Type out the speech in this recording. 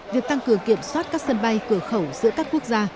việc tăng cường kiểm soát các sân bay cửa khẩu giữa các quốc gia